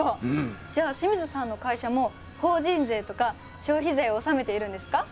じゃあ清水さんの会社も法人税とか消費税を納めているんですか？